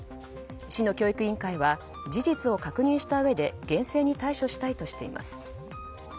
市の教育委員会は事実を確認したうえで厳正に対処したいとしています。